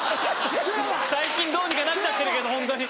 最近どうにかなっちゃってるけどホントに。